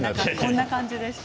こんな感じでした。